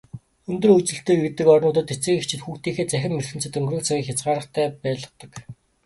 Өндөр хөгжилтэй гэгддэг орнуудад эцэг эхчүүд хүүхдүүдийнхээ цахим ертөнцөд өнгөрөөх цагийг хязгаартай байлгадаг.